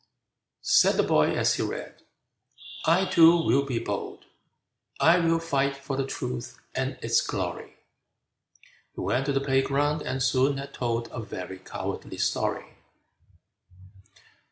Said the boy as he read, "I too will be bold, I will fight for the truth and its glory!" He went to the playground, and soon had told A very cowardly story!